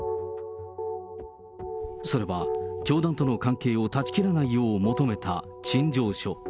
それは、教団との関係を断ち切らないよう求めた陳情書。